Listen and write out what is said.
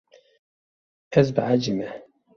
Ez behecî me.